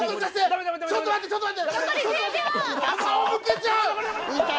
ちょっと待ってちょっと待って残り１０秒！